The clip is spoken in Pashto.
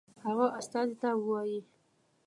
هغه استازي ته ووايي.